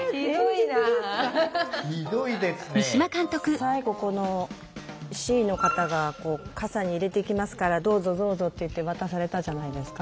最後このＣの方が「傘に入れていきますからどうぞどうぞ」って言って渡されたじゃないですか。